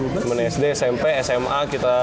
teman sd smp sma kita